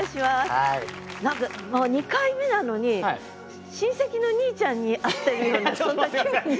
何か２回目なのに親戚のにいちゃんに会ってるようなそんな気分に。